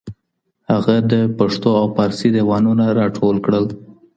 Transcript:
هغه د پښتو او فارسي دیوانونه راټول کړل.